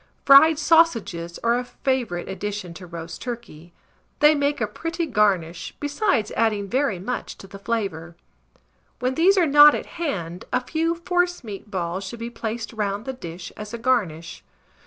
Fried sausages are a favourite addition to roast turkey; they make a pretty garnish, besides adding very much to the flavour. When these are not at hand, a few forcemeat balls should be placed round the dish as a garnish.